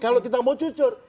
kalau kita mau jujur